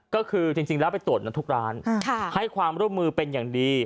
ก็คือจริงแล้วไปตรวจนั้นทุกร้านให้ความร่วมมือเป็นอย่างดี